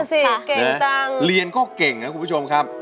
นั่นแหละสิเก่งจังเรียนก็เก่งนะคุณผู้ชมครับ